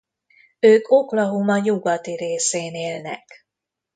Ők Oklahoma nyugati részén élnek.